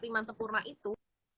lima sempurna itu